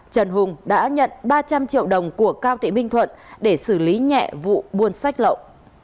trần hùng đã nhận ba trăm linh triệu đồng của cao thị minh thuận để xử lý nhẹ vụ buôn sách lậu